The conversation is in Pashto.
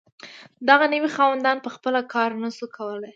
دغه نوي خاوندان په خپله کار نشو کولی.